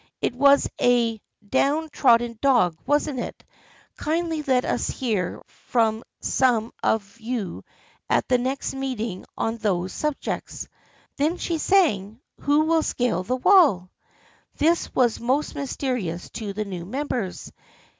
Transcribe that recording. It was a down trodden dog, wasn't it ? Kindly let us hear from some of you at the next meeting on those subjects. ,, Then she sang, 14 Who will scale the wall ?" This was most mysterious to the new members.